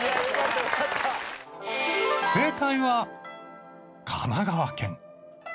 正解は神奈川県。